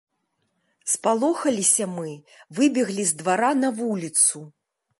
Спалохаліся мы, выбеглі з двара на вуліцу.